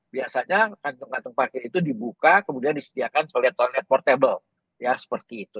biasanya kantong kantong parkir itu dibuka kemudian disediakan toilet toilet portable ya seperti itu